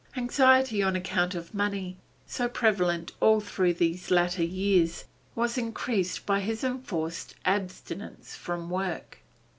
Anxiety on account of money, so prevalent all through these latter years, was increased by his enforced abstinence from work.